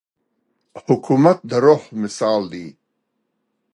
حکومت د روح مثال لري.